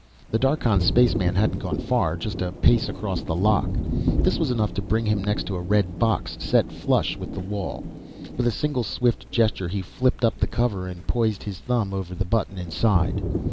The Darkhan spaceman hadn't gone far, just a pace across the lock. This was enough to bring him next to a red box set flush with the wall. With a single, swift gesture he flipped up the cover and poised his thumb over the button inside.